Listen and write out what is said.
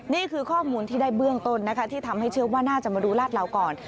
นี่คือข้อมูลที่ได้เบื้องต้นนะคะที่ทำให้เชื่อว่าน่าจะมาดูลาดเหลาก่อน